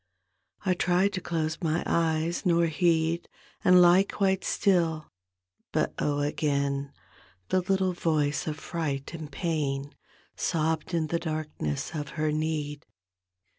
I tried to close my eyes nor heed And lie quite still — but oh, again The little voice of fright and pain Sobbed in the darkness of her need.